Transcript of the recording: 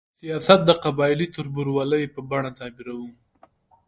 سیاست د قبایلي تربورولۍ په بڼه تعبیروو.